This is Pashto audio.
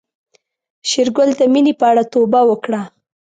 شېرګل د مينې په اړه توبه وکړه.